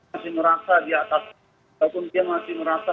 masih merasa di atas walaupun dia masih merasa